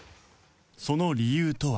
その理由とは